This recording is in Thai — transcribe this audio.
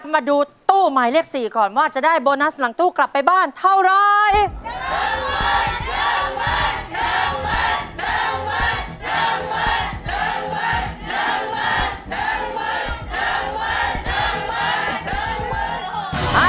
มาดูตู้หมายเลข๔ก่อนว่าจะได้โบนัสหลังตู้กลับไปบ้านเท่าไร